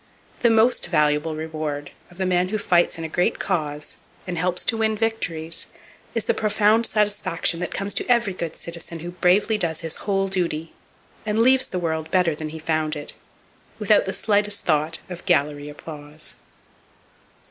The most valuable reward of the man who fights in a great cause, and helps to win victories, is the profound satisfaction that comes to every good citizen who bravely does his whole duty, and leaves the world better than he found it, without the slightest thought of gallery applause.